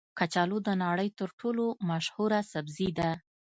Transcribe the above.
کچالو د نړۍ تر ټولو مشهوره سبزي ده